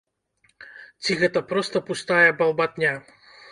Ці гэта проста пустая балбатня?